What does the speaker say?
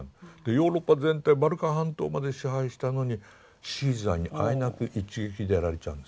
ヨーロッパ全体バルカン半島まで支配したのにシーザーにあえなく一撃でやられちゃうんです。